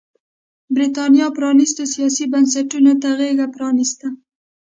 برېټانیا پرانيستو سیاسي بنسټونو ته غېږ پرانېسته.